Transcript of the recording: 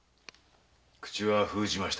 口は封じました